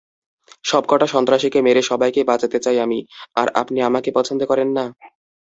সবকটা সন্ত্রাসীকে মেরে সবাইকে বাঁচাতে চাই আমি আর আপনি আমাকে পছন্দ করেন না?